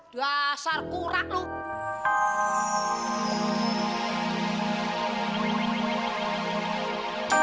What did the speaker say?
dasar kurak lu